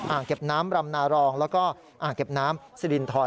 เก็บน้ำรำนารองแล้วก็อ่างเก็บน้ำสิรินทร